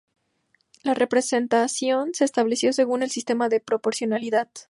La representación se estableció según el sistema de proporcionalidad.